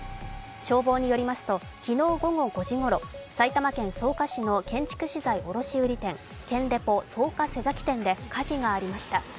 消防によりますと昨日午後５時ごろ埼玉県草加市の建築資材卸売店、建デポ草加瀬崎店で火事がありました。